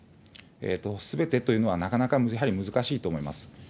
すべてというのは、やはりなかなかやはり難しいと思います。